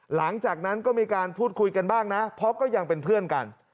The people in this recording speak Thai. หลังจากนั้นก็มีการพูดคุยกันบ้างนะเพราะก็ยังเป็นเพื่อนกัน